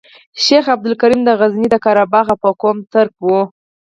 شیخ عبدالکریم د غزني د قره باغ او په قوم ترک وو.